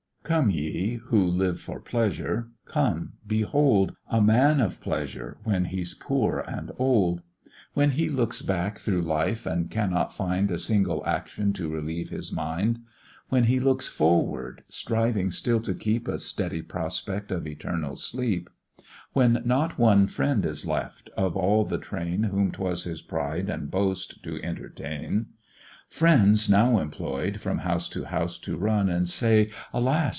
Come ye! who live for Pleasure, come, behold A man of pleasure when he's poor and old; When he looks back through life, and cannot find A single action to relieve his mind; When he looks forward, striving still to keep A steady prospect of eternal sleep; When not one friend is left, of all the train Whom 'twas his pride and boast to entertain, Friends now employ'd from house to house to run, And say, "Alas!